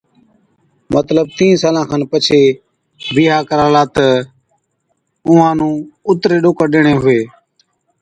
مطلب جي تينھين سالان کن پڇي بِيھا ڪرالا تہ اُونھان نُون اُتري ڏوڪڙ ڏيڻي ھُوي۔